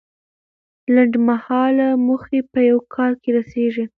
لنډمهاله موخې په یو کال کې رسیږي.